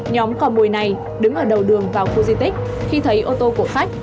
nhóm cò mồi này đứng ở đầu đường vào khu di tích khi thấy ô tô của khách